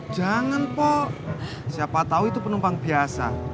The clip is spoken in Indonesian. jangan pok siapa tau itu penumpang biasa